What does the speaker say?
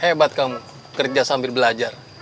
hebat kamu kerja sambil belajar